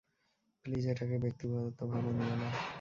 Please এটাকে ব্যক্তিগতভাবে নিয়ো না।